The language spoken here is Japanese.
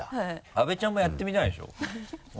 阿部ちゃんもやってみたいでしょ？